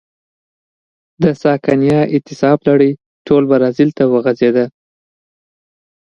د سکانیا اعتصاب لړۍ ټول برازیل ته وغځېده.